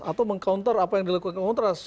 atau meng counter apa yang dilakukan kontras